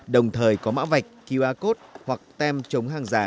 đồng thời có mã vạch qr code hoặc tem chống hàng giả